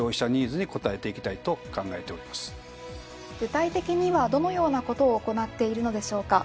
具体的にはどのようなことを行っているのでしょうか？